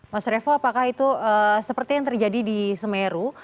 mas revo apakah itu seperti yang terjadi di semeru